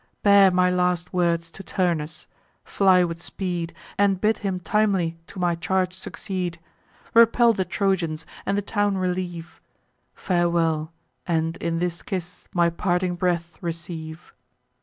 Bear my last words to Turnus; fly with speed, And bid him timely to my charge succeed, Repel the Trojans, and the town relieve: Farewell! and in this kiss my parting breath receive."